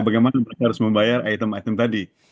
bagaimana mereka harus membayar item item tadi